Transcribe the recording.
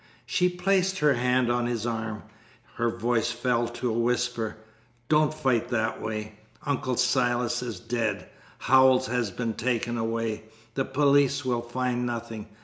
She placed her hand on his arm. Her voice fell to a whisper. "Don't fight that way. Uncle Silas is dead; Howells has been taken away. The police will find nothing.